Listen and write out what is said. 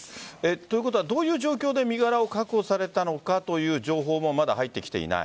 ということはどういう状況で身柄を確保されたのかという情報もまだ入ってきていない？